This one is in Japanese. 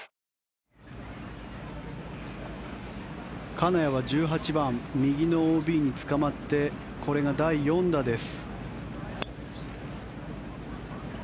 金谷は１８番右のＯＢにつかまってこれが第４打です。